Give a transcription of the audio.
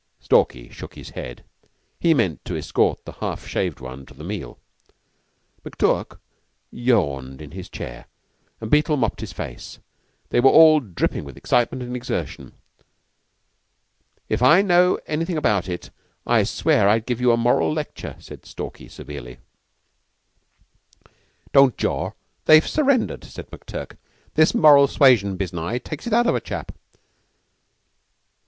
Stalky shook his head. He meant to escort the half shaved one to the meal. McTurk yawned in his chair and Beetle mopped his face. They were all dripping with excitement and exertion. "If I knew anything about it, I swear I'd give you a moral lecture," said Stalky severely. "Don't jaw; they've surrendered," said McTurk. "This moral suasion biznai takes it out of a chap."